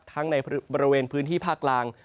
ทั้งในบริเวณพื้นที่ภาคล่าง